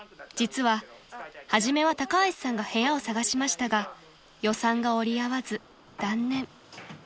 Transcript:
［実は初めは高橋さんが部屋を探しましたが予算が折り合わず断念］